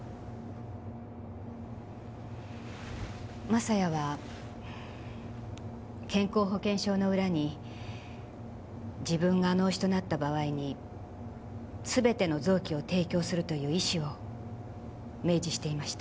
雅也は健康保険証の裏に自分が脳死となった場合に全ての臓器を提供するという意思を明示していました。